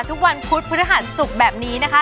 ทุกวันพุธพฤหัสศุกร์แบบนี้นะคะ